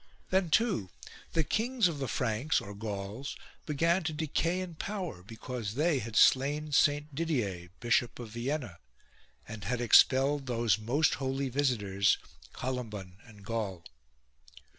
Then too the kings of the Franks (or Gauls) began to decay in power because they had slain Saint Didier, Bishop of Vienna, and had expelled those most holy visitors, Columban and Gall.